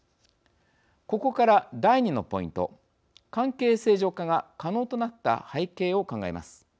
ここから第２のポイント関係正常化が可能となった背景を考えます。